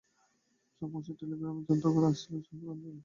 চোখ মুছে টেলিগ্রামখানি যত্ন করে আঁচলের প্রান্তে বাঁধলে।